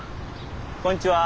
こんにちは。